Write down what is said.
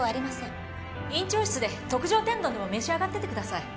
院長室で特上天丼でも召し上がっててください。